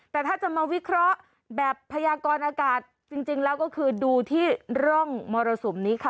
แต่ถ้าจะมาวิเคราะห์แบบพยากรอากาศจริงแล้วก็คือดูที่ร่องมรสุมนี้ค่ะ